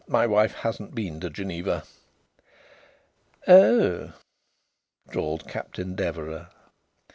"My wife hasn't been to Geneva." "Oh!" drawled Captain Deverax.